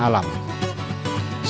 setelah mencapai wisata akar seribu